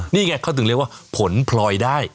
นี่ไงเขาถึงเรียกว่าผลพลอยได้